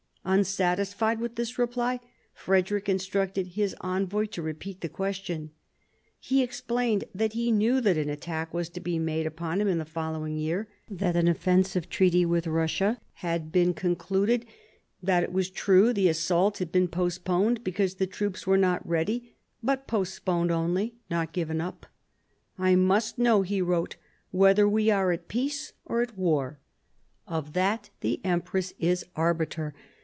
Unsatisfied with this reply, Frederick instructed his envoy to repeat the question. He ex plained that he knew that an attack was to be made upon him in the following year, that an offensive treaty with Eussia had been concluded, that it was true the assault had been postponed because the troops were not ready, but postponed only, not given up. "I must know," he wrote, " whether we are at peace or at war. Of that the empress is arbiter.